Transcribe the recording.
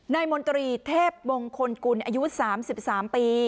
มนตรีเทพมงคลกุลอายุ๓๓ปี